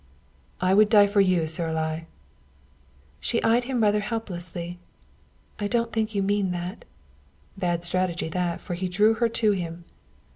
"I would die for you, Saralie." She eyed him rather helplessly. "I don't think you mean that." Bad strategy that, for he drew her to him.